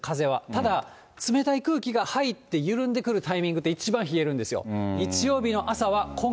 ただ、冷たい空気が入って緩んでくるタイミングって一番冷えるんですよ。